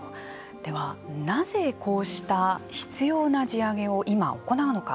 では、なぜこうした執ような地上げを今、行うのか。